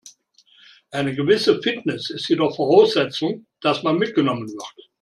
Eine gewisse Fitness ist jedoch Voraussetzung, dass man mitgenommen wird.